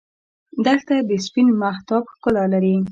دښته د سپین مهتاب ښکلا لري.